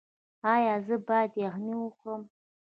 ایا زه باید یخني وخورم؟